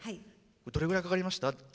どれぐらいかかりました？